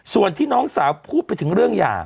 ส่วนที่น้องสาวพูดไปถึงเรื่องหย่า